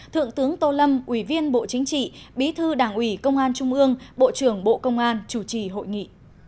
thượng tướng tô lâm ủy viên bộ chính trị bí thư đảng ủy công an trung ương bộ trưởng bộ công an chủ trì hội nghị